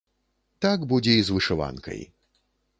Так будзе і з вышыванкай.